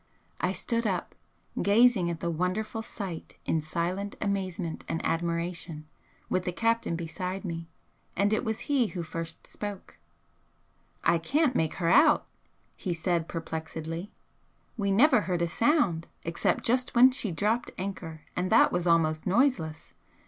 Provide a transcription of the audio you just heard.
I stood up, gazing at the wonderful sight in silent amazement and admiration, with the captain beside me, and it was he who first spoke. "I can't make her out," he said, perplexedly, "We never heard a sound except just when she dropped anchor, and that was almost noiseless.